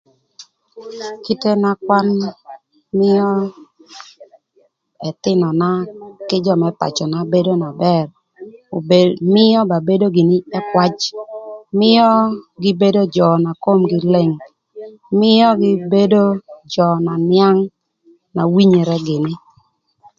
Kite na kwan mïö ëthïnöna kï jö më pacöna bedo na bër obedo mïö ba bedo gïnï kï kwac, mïö bedo jö na komgï leng, mïögï bedo jö na nïang na winyere gïnï.